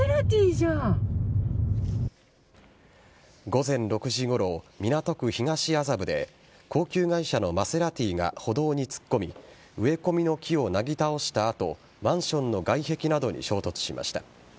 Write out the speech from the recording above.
午前６時ごろ、港区東麻布で高級外車のマセラティが歩道に突っ込み植え込みの木をなぎ倒した後マンションの外壁などに衝突しました。